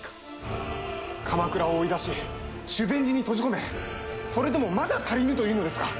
鎌倉を追い出し修善寺に閉じ込めそれでもまだ足りぬというのですか。